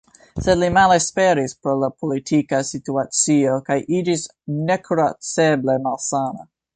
Sed li malesperis pro la politika situacio kaj iĝis nekuraceble malsana.